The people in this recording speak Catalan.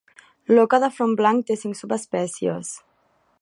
L"oca de front blanc té cinc subespècies.